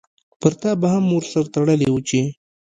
پرتا به هم مور سر تړلی وو چی